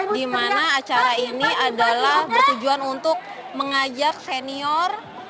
dimana acara ini adalah bertujuan untuk mengajak senior